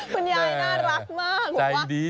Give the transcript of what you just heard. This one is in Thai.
คุณยายน่ารักมาก